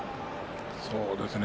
そうですね。